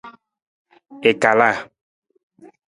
I kalaa.